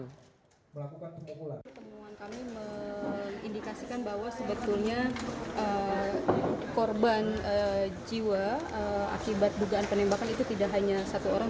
penemuan kami mengindikasikan bahwa sebetulnya korban jiwa akibat dugaan penembakan itu tidak hanya satu orang